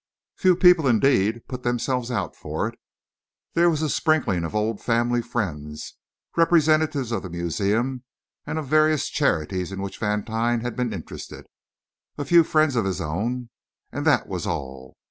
Few people, indeed, put themselves out for it. There was a sprinkling of old family friends, representatives of the museum and of various charities in which Vantine had been interested, a few friends of his own, and that was all.